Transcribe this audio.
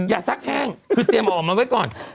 ซักแห้งคือเตรียมออกมาไว้ก่อน